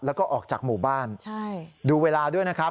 แล้วก็ออกจากหมู่บ้านดูเวลาด้วยนะครับ